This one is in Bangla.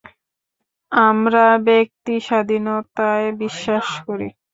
আমরা ব্যক্তিস্বাধীনতায় বিশ্বাস করি।